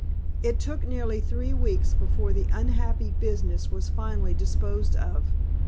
It took nearly three weeks before the unhappy business was finally disposed of.